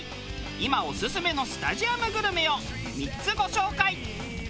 今オススメのスタジアムグルメを３つご紹介。